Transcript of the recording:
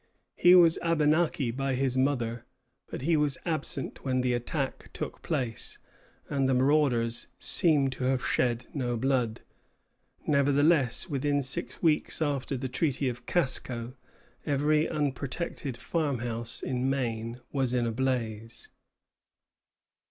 He was Abenaki by his mother; but he was absent when the attack took place, and the marauders seem to have shed no blood. Nevertheless, within six weeks after the Treaty of Casco, every unprotected farmhouse in Maine was in a blaze.